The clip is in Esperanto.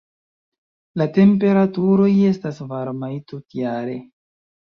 La temperaturoj estas varmaj tutjare.